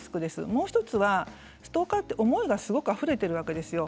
もう１つはストーカーは思いがすごくあふれているわけですよ。